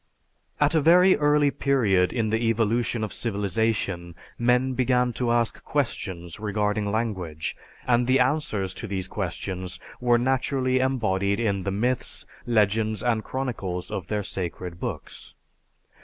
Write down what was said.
At a very early period in the evolution of civilization men began to ask questions regarding language, and the answers to these questions were naturally embodied in the myths, legends, and chronicles of their sacred books.